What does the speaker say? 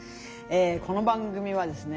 この番組はですね